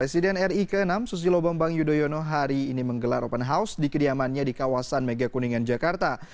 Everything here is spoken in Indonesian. presiden ri ke enam susilo bambang yudhoyono hari ini menggelar open house di kediamannya di kawasan megakuningan jakarta